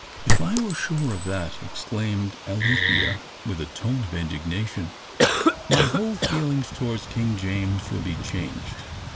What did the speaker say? "If I were sure of that," exclaimed Alethea, with a tone of indignation, "my whole feelings towards King James would be changed!